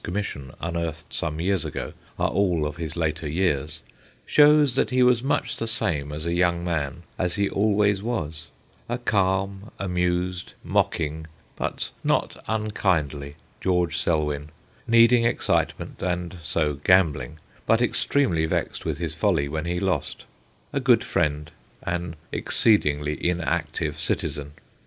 Com mission unearthed some years ago, are all of his later years shows that he was much the same as a young man as he always was a calm, amused, mocking, but not unkindly George Selwyn, needing excite ment, and so gambling, but extremely vexed with his folly when he lost ; a good friend, an exceedingly inactive citizen.